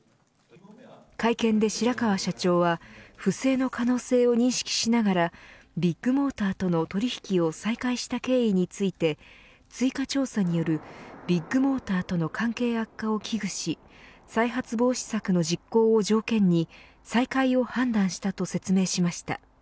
会見で白川市長は不正の可能性を認識しながらビッグモーターとの取引を再開した経緯について追加調査によるビッグモーターとの関係悪化を危惧し再発防止策の実行を条件に再開を判断したと説明しました。